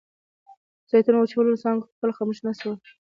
د زیتونو وچخولو څانګو خپله خاموشي نڅوله.